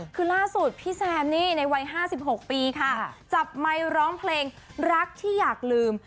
คือล่าสุดพี่แซมนี่ในวัย๕๖ปีค่ะจับไมค์ร้องเพลงรักที่อยากลืม